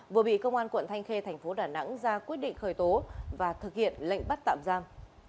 vừa bị công an quận thanh khê thành phố đà nẵng ra quyết định khởi tố và thực hiện lệnh bắt tạm giam